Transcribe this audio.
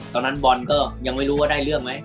ตอนนั้นบอลก็ยังไม่รู้ว่าได้เรื่องไหม